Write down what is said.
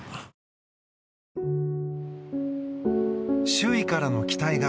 周囲からの期待が